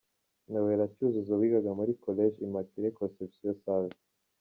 Noélla Cyuzuzo wigaga muri Collège Immaculée Conception Save